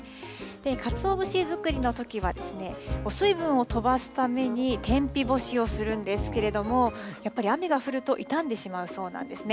カツオ節づくりのときはですね、水分を飛ばすために天日干しをするんですけれども、やっぱり雨が降ると傷んでしまうそうなんですね。